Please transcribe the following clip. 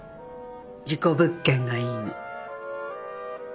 事故物件がいいの。